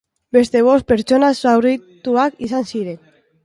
Beste bost pertsona zaurituak izan ziren.